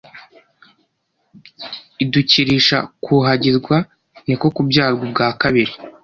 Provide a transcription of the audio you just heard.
idukirisha kuhagirwa, ni ko kubyarwa ubwa kabiri,